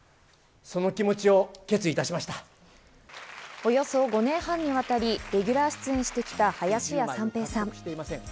およそ５年半にわたりレギュラー出演してきた林家三平さん。